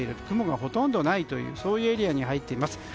雲がほとんどないというそういうエリアに入っています。